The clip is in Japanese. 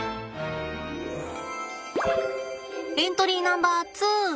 エントリーナンバー２。